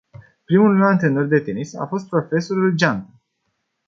Primul meu antrenor de tenis a fost profesorul Geantă.